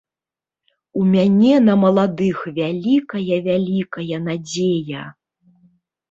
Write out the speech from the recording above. У мяне на маладых вялікая-вялікая надзея.